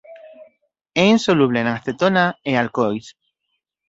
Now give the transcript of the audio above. É insoluble en acetona e alcohois.